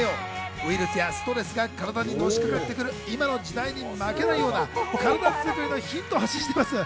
ウイルスやストレスが体にのしかかってくる今の時代に負けないようなカラダ作りのヒントを発信していきます。